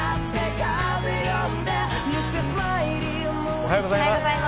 おはようございます。